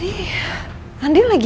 dzieci gulung an delta juga